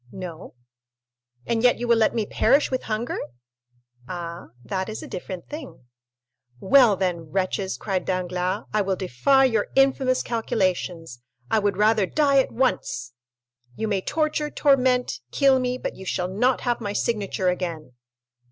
"No." "And yet you will let me perish with hunger?" "Ah, that is a different thing." "Well, then, wretches," cried Danglars, "I will defy your infamous calculations—I would rather die at once! You may torture, torment, kill me, but you shall not have my signature again!"